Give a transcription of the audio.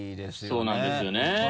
そうなんですよね。